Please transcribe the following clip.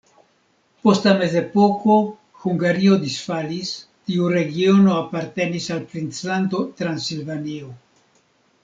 Post la mezepoko Hungario disfalis, tiu regiono apartenis al princlando Transilvanio.